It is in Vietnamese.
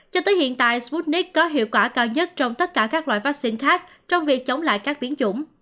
cho tới hiện tại sputnik có hiệu quả cao nhất trong tất cả các loại vaccine khác trong việc chống lại các biến chủng